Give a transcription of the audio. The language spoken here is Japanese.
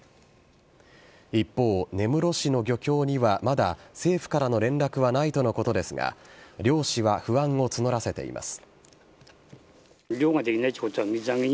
一方、根室市の漁協にはまだ政府からの連絡はないとのことですが漁師は不安を募らせています。